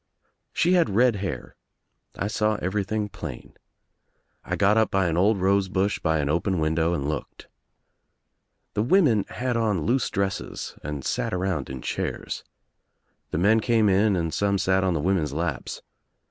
She had red hair. I saw everything plain, I got up by an old rose bush by an open window and lool^d. The women had an loose dresses and sat around in chairs. The men came in and some sat on the women's laps.